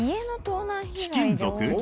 貴金属？